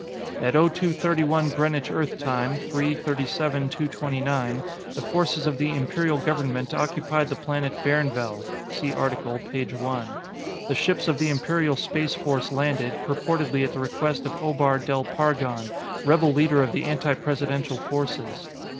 At 0231 Greenwich Earth Time, 3/37/229, the forces of the Imperial Government occupied the planet Bairnvell. (See article, Page One.) The ships of the Imperial Space Force landed, purportedly at the request of Obar Del Pargon, rebel leader of the anti Presidential forces.